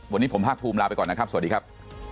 วันนี้ผมภาคภูมิลาไปก่อนนะครับสวัสดีครับ